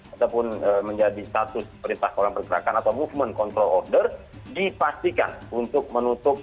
ataupun menjadi status perintah kolam pergerakan atau movement control order dipastikan untuk menutup